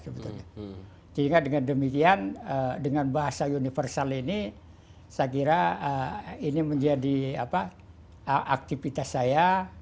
sehingga dengan demikian dengan bahasa universal ini saya kira ini menjadi aktivitas saya